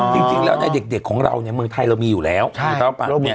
จริงแล้วเนี่ยเด็กของเราเนี่ยเมืองไทยเรามีอยู่แล้วมือเท้าปากเนี่ย